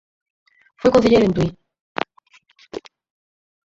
Foi concelleiro en Tui.